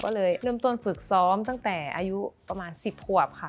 ก็เลยเริ่มต้นฝึกซ้อมตั้งแต่อายุประมาณ๑๐ขวบค่ะ